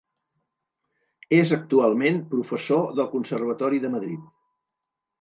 És actualment professor del Conservatori de Madrid.